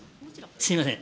すみません。